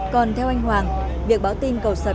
còn theo anh hoàng việc báo tin cầu sập